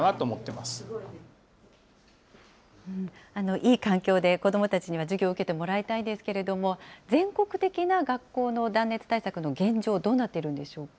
いい環境で、子どもたちには授業を受けてもらいたいですけれども、全国的な学校の断熱対策の現状、どうなっているんでしょうか。